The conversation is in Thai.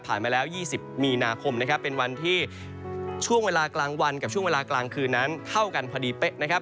มาแล้ว๒๐มีนาคมนะครับเป็นวันที่ช่วงเวลากลางวันกับช่วงเวลากลางคืนนั้นเท่ากันพอดีเป๊ะนะครับ